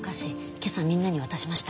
今朝みんなに渡しました。